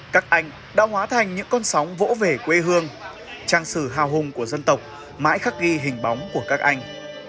các anh đã hóa thành những con sóng vỗ về quê hương trang sử hào hùng của dân tộc mãi khắc ghi hình bóng của các anh